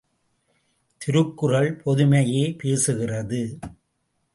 திருக்குறள், பொதுமையே பேசுகிறது!